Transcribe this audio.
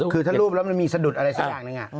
คือถ้ารูปแล้วมันมีสะดุดอะไรสักอย่างหนึ่ง